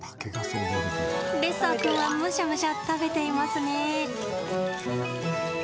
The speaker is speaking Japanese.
レッサー君はむしゃむしゃ食べていますね。